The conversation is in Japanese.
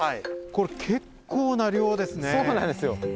これ、結構な量ですね。